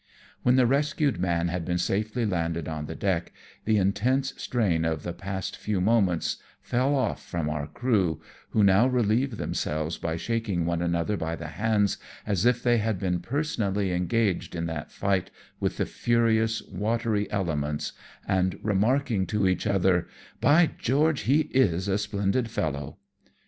When the rescued man had been safely landed on the deck, the intense strain of the past few moments fell off from our crew, who now relieved themselves by shaking one another by the hands, as if they had been personally engaged in that fight with the furious watery elements, and remarking to each other, " By TFE WITNESS A DEED OF HEROISM. 67 George, he is a splendid fellow."